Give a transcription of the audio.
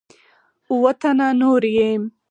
اووه تنه نور یې